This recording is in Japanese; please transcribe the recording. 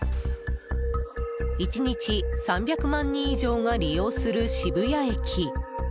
１日３００万人以上が利用する渋谷駅。